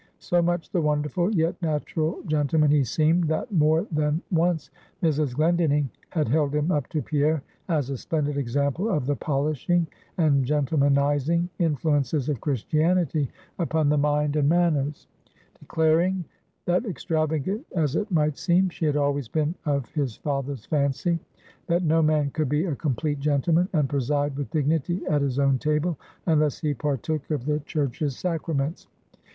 So much the wonderful, yet natural gentleman he seemed, that more than once Mrs. Glendinning had held him up to Pierre as a splendid example of the polishing and gentlemanizing influences of Christianity upon the mind and manners; declaring, that extravagant as it might seem, she had always been of his father's fancy, that no man could be a complete gentleman, and preside with dignity at his own table, unless he partook of the church's sacraments.